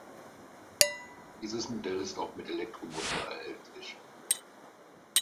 Dieses Modell ist auch mit Elektromotor erhältlich.